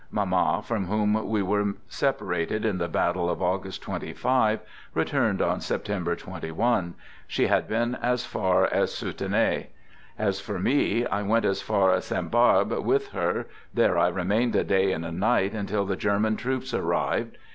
Mamma, from whom we were separated in the battle of August 25, returned on September 21 ; she had been as far as Soutenay. As for me, I went as far as Sainte Barbe with her, there I remained a day and a night, until the Ger man troops arrived.